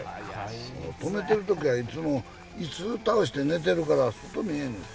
とめてるときはいつも、いす倒して寝てるから、外見えん。